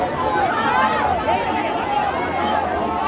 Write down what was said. สวัสดีครับ